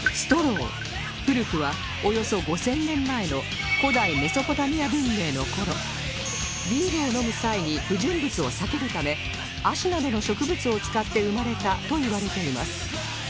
古くはおよそ５０００年前の古代メソポタミア文明の頃ビールを飲む際に不純物を避けるためアシなどの植物を使って生まれたといわれています